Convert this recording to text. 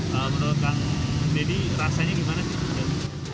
menurut kang baby rasanya gimana sih